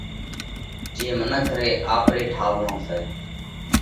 جي منکون ري آپري ٺاوَلون سئہ۔